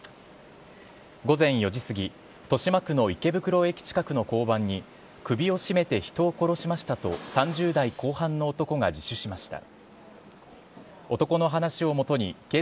午前４時過ぎ、豊島区の池袋駅近くの交番に、首を絞めて人を殺しましたと３０代後半の男が自首しました。